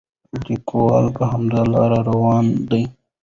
لیکوال په همدې لاره روان دی.